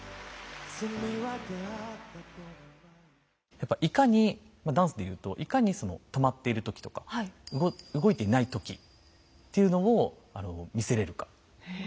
やっぱいかにダンスで言うといかにその止まっている時とか動いていない時っていうのを見せれるか。